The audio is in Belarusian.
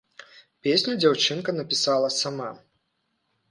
Песню дзяўчынка напісала сама.